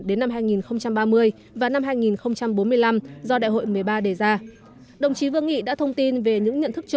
đến năm hai nghìn ba mươi và năm hai nghìn bốn mươi năm do đại hội một mươi ba đề ra